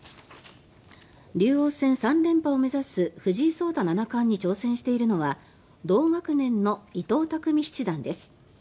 竜王戦３連覇を目指す藤井聡太七冠に挑戦しているのは同学年の伊藤匠七段です。